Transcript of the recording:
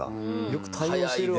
よく対応してるわ。